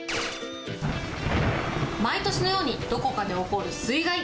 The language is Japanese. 毎年のようにどこかで起こる水害。